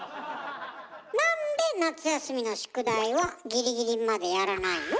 なんで夏休みの宿題はギリギリまでやらないの？